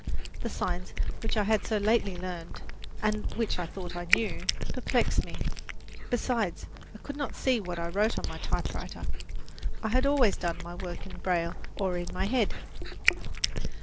The signs, which I had so lately learned, and which I thought I knew, perplexed me. Besides, I could not see what I wrote on my typewriter. I had always done my work in braille or in my head.